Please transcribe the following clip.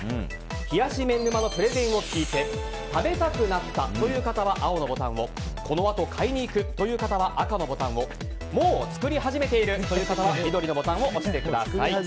冷やし麺沼のプレゼンを聞いて食べたくなったという方は青のボタンをこのあと買いに行くという方は赤のボタンをもう作り始めているという方は緑のボタンを押してください。